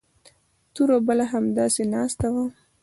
توره بلا همداسې ناسته وه.